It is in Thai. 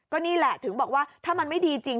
ก็นี่แหละถึงบอกว่าถ้ามันไม่ดีจริง